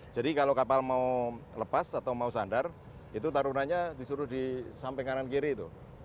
jadi kalau kapal mau lepas atau mau sandar itu tarunannya disuruh di samping kanan kiri itu